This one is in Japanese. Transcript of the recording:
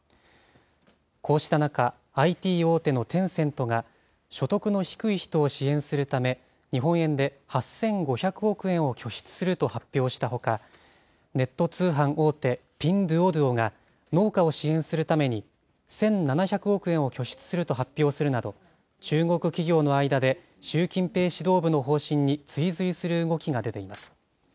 こうした中、ＩＴ大手のテンセントが、所得の低い人を支援するため、日本円で８５００億円を拠出すると発表したほか、ネット通販大手、ピンドゥオドゥオが農家を支援するために、１７００億円を拠出すると発表するなど、中国企業の間で習近平指導部の方針に追随する動きが出ています。